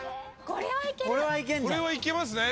これはいけますね。